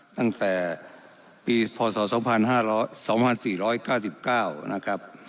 ตั้งแต่ปีพศ๒๔๙๙นะครับ